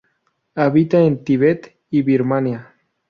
Habita en el Tibet y Birmania.